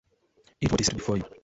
Eat what is set before you.